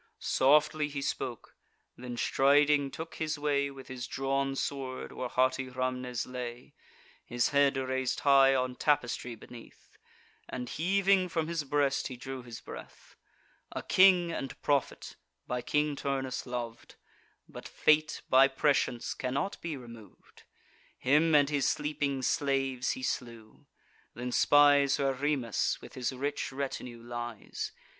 Softly he spoke; then striding took his way, With his drawn sword, where haughty Rhamnes lay; His head rais'd high on tapestry beneath, And heaving from his breast, he drew his breath; A king and prophet, by King Turnus lov'd: But fate by prescience cannot be remov'd. Him and his sleeping slaves he slew; then spies Where Remus, with his rich retinue, lies.